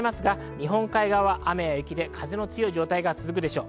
日本海側は雨や雪で風の強い状態が続くでしょう。